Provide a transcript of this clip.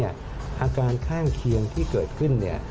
อาการข้างเคียงที่เกิดขึ้น